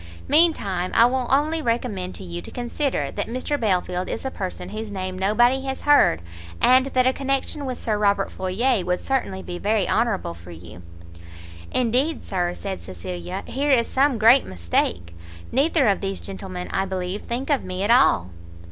Mean time, I will only recommend to you to consider that Mr Belfield is a person whose name nobody has heard, and that a connection with Sir Robert Floyer would certainly be very honourable for you." "Indeed, Sir," said Cecilia, "here is some great mistake; neither of these gentlemen, I believe, think of me at all."